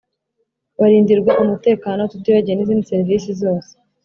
barindirwa umutekano tutibagiwe n,izindi serivisi zose.